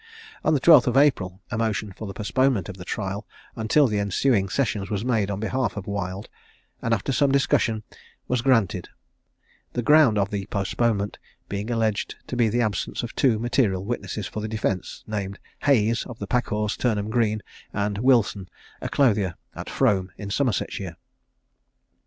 On the 12th of April a motion for the postponement of the trial until the ensuing sessions was made on behalf of Wild, and after some discussion it was granted; the ground of the postponement being alleged to be the absence of two material witnesses for the defence, named Hays, of the Packhorse, Turnham Green, and Wilson, a clothier at Frome, in Somersetshire.